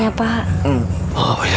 dia masih anaknya pak